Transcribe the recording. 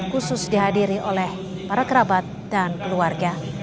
khusus dihadiri oleh para kerabat dan keluarga